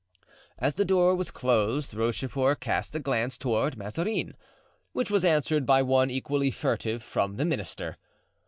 As the door was closed Rochefort cast a glance toward Mazarin, which was answered by one, equally furtive, from the minister.